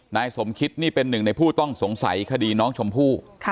นายสมคิตนี่เป็นหนึ่งในผู้ต้องสงสัยคดีน้องชมพู่